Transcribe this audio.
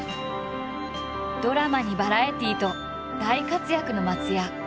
ドラマにバラエティーと大活躍の松也。